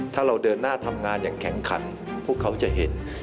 ถ้าเราเดินหน้าทำงานอย่างแข็งขันพวกเขาจะเห็น